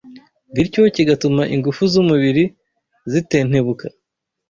bityo kigatuma ingufu z’umubiri zitentebuka